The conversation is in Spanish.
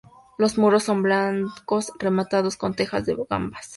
Los muros son blancos, rematados con tejas de gambas.